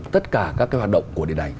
tất cả các hoạt động của điện ảnh